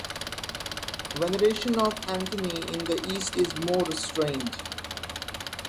Veneration of Anthony in the East is more restrained.